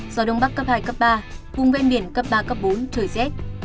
gió đông bắc cấp hai cấp ba vùng ven biển cấp ba cấp bốn trời rét